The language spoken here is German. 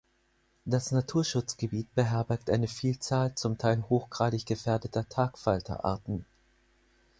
Das Naturschutzgebiet beherbergt eine Vielzahl zum Teil hochgradig gefährdeter Tagfalterarten.